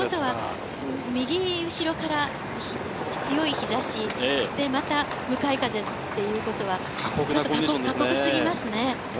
右後ろから強い日差し、また向かい風ということは過酷すぎますね。